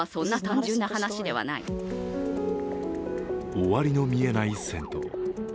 終わりの見えない戦闘。